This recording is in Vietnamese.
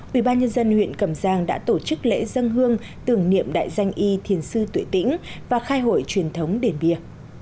ubnd huyện cầm giang đã tổ chức lễ dân hương tưởng niệm đại danh y thiền sư tuệ tĩnh và khai hội truyền thống điện bia